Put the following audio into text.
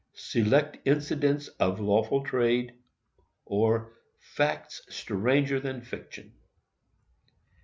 SELECT INCIDENTS OF LAWFUL TRADE, OR FACTS STRANGER THAN FICTION.